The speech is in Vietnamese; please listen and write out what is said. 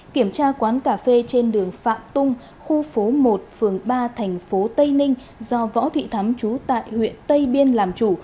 kiểm tra quán cà phê trên đường phạm tung khu phố một phường ba tp tây ninh do võ thị thắm trú tại huyện tây biên làm chủ